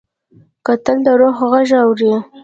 کتل د روح غږ اوري